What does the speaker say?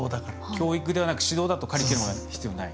教育ではなく指導だとカリキュラムが必要ない。